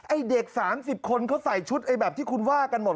ไอ้เด็ก๓๐คนเขาใส่ชุดไอ้แบบที่คุณว่ากันหมด